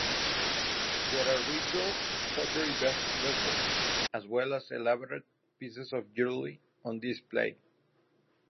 There are ritual pottery vessels as well as elaborate pieces of jewelry on display.